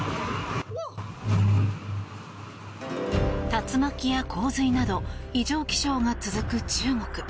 竜巻や洪水など異常気象が続く中国。